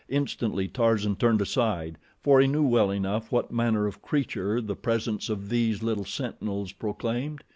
Instantly Tarzan turned aside, for he knew well enough what manner of creature the presence of these little sentinels proclaimed.